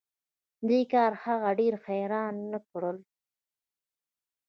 دې کار هغه ډیره حیرانه نه کړه